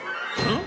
ん？